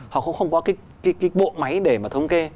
họ cũng không có cái bộ máy để mà thống kê